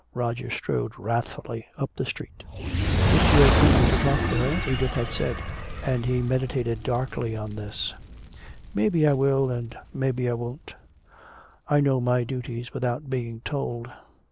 Roger strode wrathfully up the street. "It's your duty to talk to her," Edith had said. And he meditated darkly on this: "Maybe I will and maybe I won't. I know my duties without being told.